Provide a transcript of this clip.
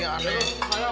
saya pengambil jangan salah